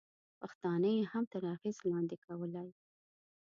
پښتانه یې هم تر اغېزې لاندې کولای.